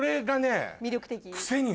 魅力的？